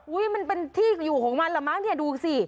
อุ้ยมันเป็นที่อยู่ของมันหรือไม่ดูสิ